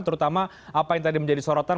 terutama apa yang tadi menjadi sorotan